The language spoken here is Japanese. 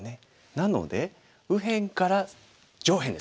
なので右辺から上辺ですね